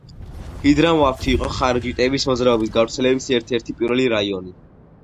ჰადრამავთი იყო ხარიჯიტების მოძრაობის გავრცელების ერთ-ერთი პირველი რაიონი.